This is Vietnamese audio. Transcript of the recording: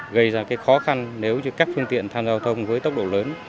gây ra cái khó khăn nếu như các phương tiện tham gia giao thông với tốc độ lớn